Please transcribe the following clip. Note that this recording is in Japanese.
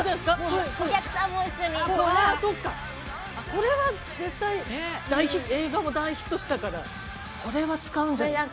これは絶対映画も大ヒットしたからこれは使うんじゃないですか？